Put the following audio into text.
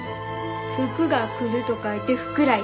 福が来ると書いて福来。